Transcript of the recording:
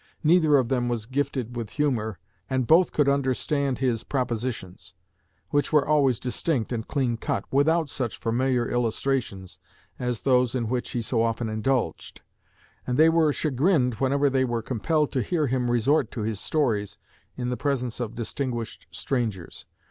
Neither of them was gifted with humor, and both could understand his propositions, which were always distinct and clean cut, without such familiar illustrations as those in which he so often indulged; and they were chagrined whenever they were compelled to hear him resort to his stories in the presence of distinguished strangers.